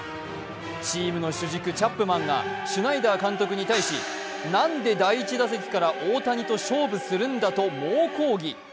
チームの主軸・チャップマンがシュナイダー監督に対し何で第１打席から大谷と勝負するんだと猛抗議。